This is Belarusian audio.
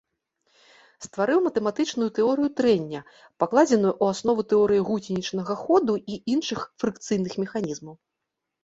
Стварыў матэматычную тэорыю трэння, пакладзеную ў аснову тэорыі гусенічнага ходу і іншых фрыкцыйных механізмаў.